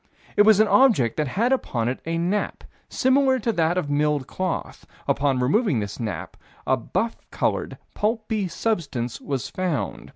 It was an object that had upon it a nap, similar to that of milled cloth. Upon removing this nap, a buff colored, pulpy substance was found.